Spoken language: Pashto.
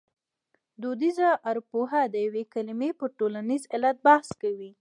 دودیزه ارپوهه د یوې کلمې پر ټولنیز علت بحث کوي